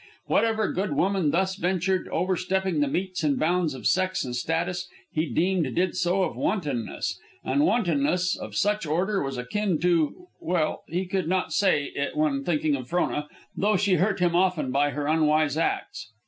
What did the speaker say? Whatever good woman thus ventured, overstepping the metes and bounds of sex and status, he deemed did so of wantonness. And wantonness of such order was akin to well, he could not say it when thinking of Frona, though she hurt him often by her unwise acts.